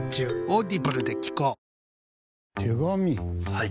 はい。